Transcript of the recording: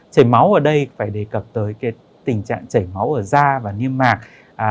chảy máu ở đây phải đề cập tới cái tình trạng chảy máu ở da và niêm mạc